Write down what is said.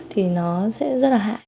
thì nó sẽ rất là hạ